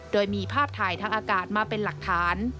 โดยมีภาพถ่ายทางอากาศมาเป็นหลักฐาน